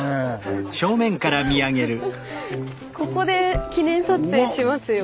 ここで記念撮影しますよね。